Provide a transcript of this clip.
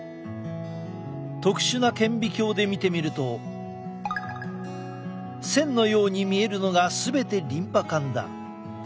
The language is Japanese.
特殊な顕微鏡で見てみると線のように見えるのが全てリンパ管だ。